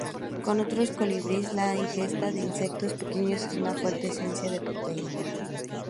Como otros colibríes, la ingesta de insectos pequeños es una fuente esencial de proteínas.